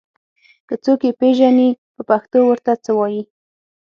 که څوک يې پېژني په پښتو ور ته څه وايي